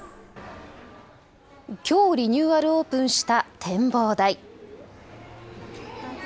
きょうリニューアルオープンした展望台。